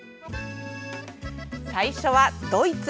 最初はドイツ。